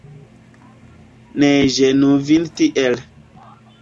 Ne ĝenu vin tiel.